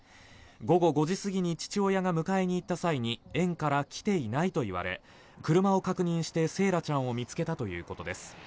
午後５時すぎに父親が迎えに行った際に園から来ていないと言われ車を確認して惺愛ちゃんを見つけたということです。